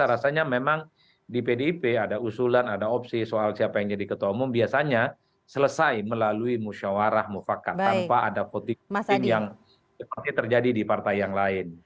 rasanya memang di pdip ada usulan ada opsi soal siapa yang jadi ketua umum biasanya selesai melalui musyawarah mufakat tanpa ada potensi yang seperti terjadi di partai yang lain